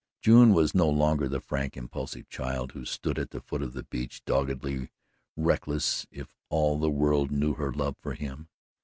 June was no longer the frank, impulsive child who stood at the foot of the beech, doggedly reckless if all the world knew her love for him.